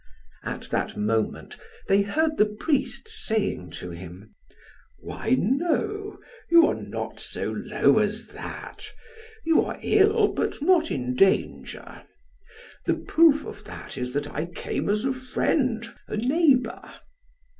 At that moment they heard the priest saying to him: "Why no, you are not so low as that. You are ill, but not in danger. The proof of that is that I came as a friend, a neighbor."